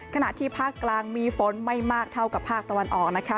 ขณะที่ภาคกลางมีฝนไม่มากเท่ากับภาคตะวันออกนะคะ